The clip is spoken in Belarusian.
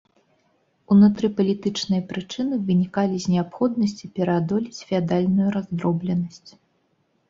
Унутрыпалітычныя прычыны вынікалі з неабходнасці пераадолець феадальную раздробленасць.